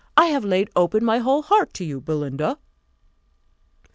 I have laid open my whole heart to you, Belinda."